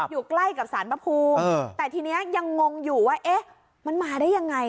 อยู่ใกล้กับสารพระภูมิแต่ทีนี้ยังงงอยู่ว่าเอ๊ะมันมาได้ยังไง